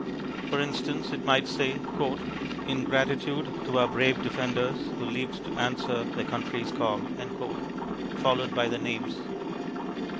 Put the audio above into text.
For instance, it might say, "In gratitude to our brave defenders who leaped to answer their country's call," followed by their names.